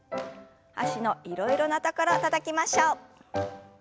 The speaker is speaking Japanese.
脚のいろいろなところたたきましょう。